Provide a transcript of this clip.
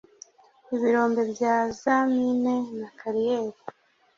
ibirombe bya za mine na kariyeri